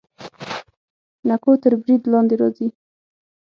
نکو تر برید لاندې راځي.